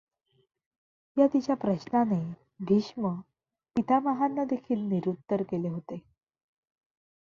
या तिच्या प्रश्नाने भीष्म पितामहांनादेखील निरुत्तर केले होते.